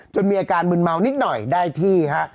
มีอาการมึนเมานิดหน่อยได้ที่ฮะ